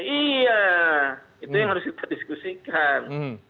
iya itu yang harus kita diskusikan